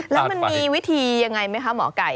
แล้วมีวิธีอย่างไรมั้ยคะหมอก๋าย